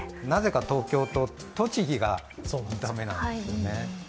なぜか東京と栃木が駄目なんですよね。